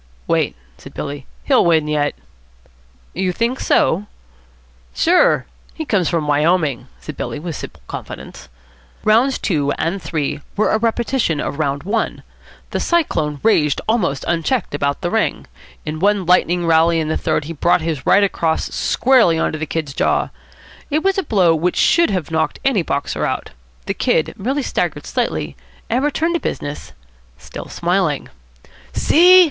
"Wait," said Billy. "He'll win yet." "You think so?" "Sure. He comes from Wyoming," said Billy with simple confidence. Rounds two and three were a repetition of round one. The Cyclone raged almost unchecked about the ring. In one lightning rally in the third he brought his right across squarely on to the Kid's jaw. It was a blow which should have knocked any boxer out. The Kid merely staggered slightly and returned to business, still smiling. "See!"